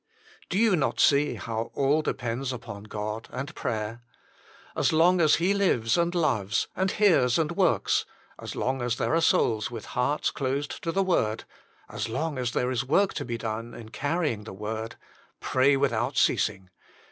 Do you not see how all depends upon God and prayer ? As long as He lives and loves, and hears and works, as long as there are souls with hearts closed to the word, as long as there is work to be done in carrying the word Pray without ceasing.